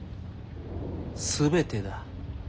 全てだ。